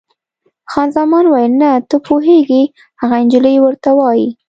خان زمان وویل: نه، ته پوهېږې، هغه انجلۍ ورته وایي.